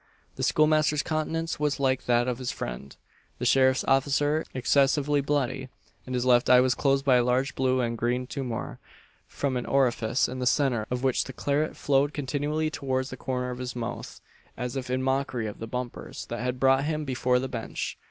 The schoolmaster's countenance was like that of his friend, the sheriff's officer, excessively bloody; and his left eye was closed by a large blue and green tumour from an orifice in the centre of which the claret flowed continually towards the corner of his mouth, as if in mockery of the bumpers that had brought him before the bench.